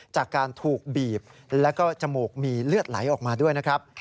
จากการถูกบีบแล้วก็จมูกมีเลือดไหลออกมาด้วยนะครับ